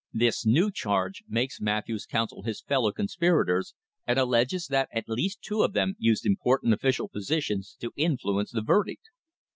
This new charge makes Matthews's counsel his fellow con spirators, and alleges that at least two of them used important official positions to influence the verdict.